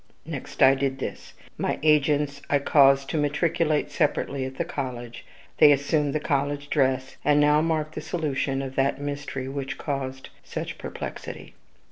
Next I did this: My agents I caused to matriculate separately at the college. They assumed the college dress. And now mark the solution of that mystery which caused such perplexity.